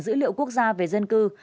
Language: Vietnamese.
dữ liệu quốc gia về dân cư